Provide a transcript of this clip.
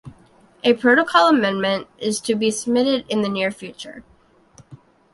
A protocol amendment is to be submitted in the near future.